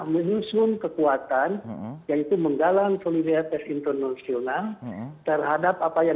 bagaimana sebuah kompetensi yang harus kita lakukan